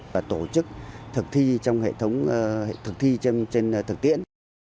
và tổ chức thực thi trong hệ thống thực thi trên thực tiễn